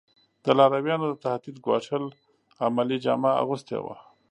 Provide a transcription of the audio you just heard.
د لارویانو د تهدید ګواښل عملي جامه اغوستې وه.